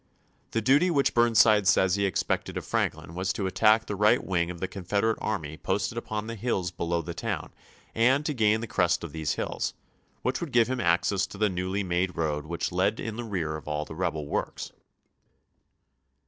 The duty which Bm nside says he expected of Franklin was to at tack the right wing of the Confederate army posted upon the hills below the town and to gain the crest of these hills, which would give him access to the newly made road which led in the rear of all the rebel works.